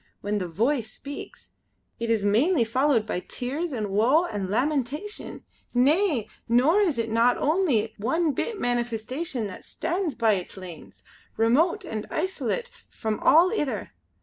When the Voice speaks, it is mainly followed by tears an' woe an' lamentation! Nae! nor is it only one bit manifestation that stands by its lanes, remote and isolate from all ither.